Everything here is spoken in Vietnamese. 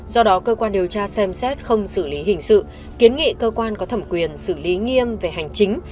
do đó cơ quan điều tra xem xét không xử lý hình sự kiến nghị cơ quan có thẩm quyền xử lý nghiêm về hành chính